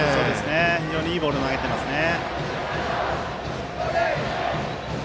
非常にいいボールを投げていますね。